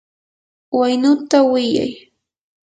waynuta wiyay.